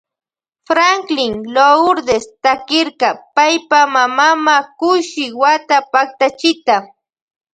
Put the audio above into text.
Franklin Lourdes takirka paypa mamama Kushi wata paktachita.